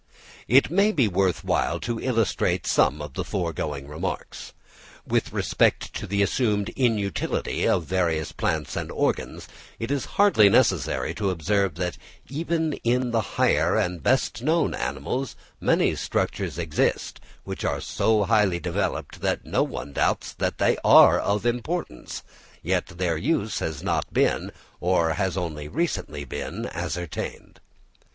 It may be worth while to illustrate some of the foregoing remarks. With respect to the assumed inutility of various parts and organs, it is hardly necessary to observe that even in the higher and best known animals many structures exist, which are so highly developed that no one doubts that they are of importance, yet their use has not been, or has only recently been, ascertained.